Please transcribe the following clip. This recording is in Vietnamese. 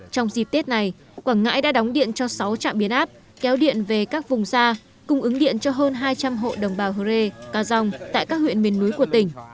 trong dịp tết này quảng ngãi đã đóng điện cho sáu trạm biến áp kéo điện về các vùng xa cung ứng điện cho hơn hai trăm linh hộ đồng bào hơ rê ca dòng tại các huyện miền núi của tỉnh